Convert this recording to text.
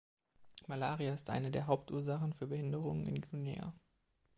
Malaria ist eine der Hauptursachen für Behinderungen in Guinea.